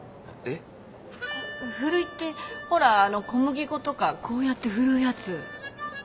あっふるいってほらあの小麦粉とかこうやってふるうやつ。